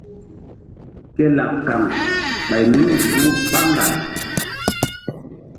Ke laɓ kaŋ ɓay nun nzuku ɓá ŋgal.